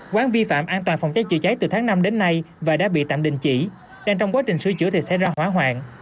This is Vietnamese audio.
quán vi phạm an toàn phòng cháy chữa cháy từ tháng năm đến nay và đã bị tạm đình chỉ đang trong quá trình sửa chữa thì xảy ra hỏa hoạn